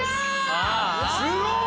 すごい！